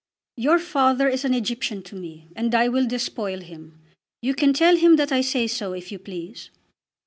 Your father is an Egyptian to me, and I will despoil him. You can tell him that I say so if you please."